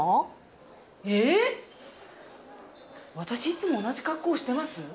私いつも同じ格好してます？